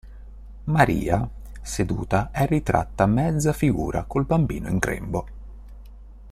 Maria seduta è ritratta mezza figura col bambino in grembo.